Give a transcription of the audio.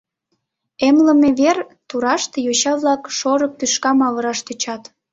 Эмлыме вер тураште йоча-влак шорык тӱшкам авыраш тӧчат.